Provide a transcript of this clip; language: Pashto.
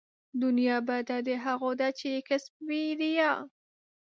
دنيا بده د هغو ده چې يې کسب وي ريا